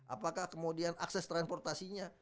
apakah kemudian akses transportasinya